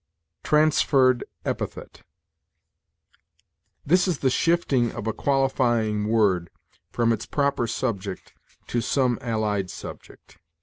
TRANSFERRED EPITHET. This is the shifting of a qualifying word from its proper subject to some allied subject.